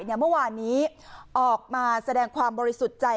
เมื่อวานนี้ออกมาแสดงความบริสุทธิ์ใจ